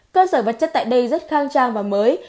cơ sở vật chất tại đây rất khang trang và mới